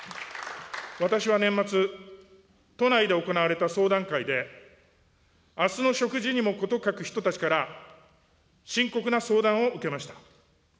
私は年末、都内で行われた相談会で、あすの食事にも事欠く人たちから深刻な相談を受けました。